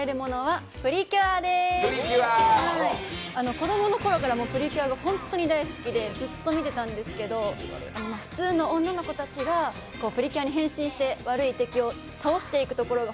子供のころから「プリキュア」がホントに大好きでずっと見てたんですけど、普通の女の子たちがプリキュアに変身して悪い敵を倒していくところが